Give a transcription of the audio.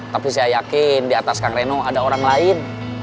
tapi saya yakin di atas kang reno ada orang lain